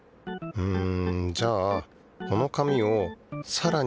うん。